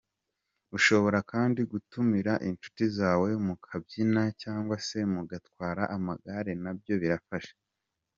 Ushobora kandi gutumira inshuti zawe mukabyina cyangwa se mugatwara amagare nabyo birafasha.